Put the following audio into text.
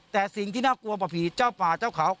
แต่สิ่งที่น่ากลัวกว่าผีเจ้าป่าเจ้าเขา